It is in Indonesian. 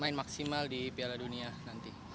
main maksimal di piala dunia nanti